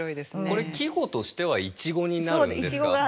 これ季語としては「苺」になるんですか？